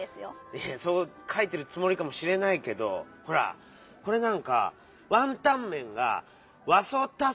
いやそうかいてるつもりかもしれないけどほらこれなんか「ワンタンメン」が「ワソタソメソ」になってるでしょ？